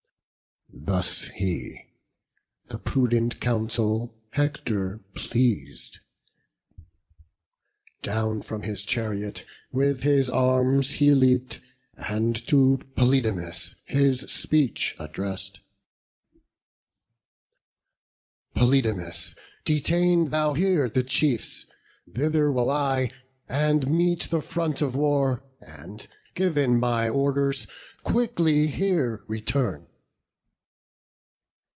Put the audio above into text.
Thus he: the prudent counsel Hector pleas'd; Down from his chariot with his arms he leap'd, And to Polydamas his speech address'd: "Polydamas, detain thou here the chiefs; Thither will I, and meet the front of war, And, giv'n my orders, quickly here return."